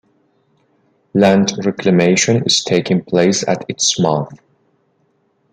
Land reclamation is taking place at its mouth.